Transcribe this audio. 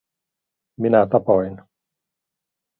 Minä tapoin.